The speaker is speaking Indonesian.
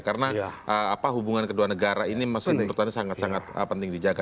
karena hubungan kedua negara ini menurut anda sangat sangat penting dijaga